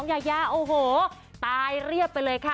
ยายาโอ้โหตายเรียบไปเลยค่ะ